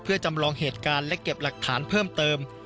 เพื่อจำลองเหตุการณ์และเก็บหลักฐานเพิ่มเติม